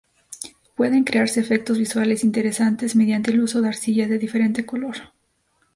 Pueden crearse efectos visuales interesantes mediante el uso de arcillas de diferente color.